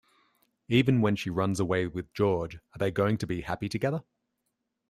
Even when she runs away with George, are they going to be happy together?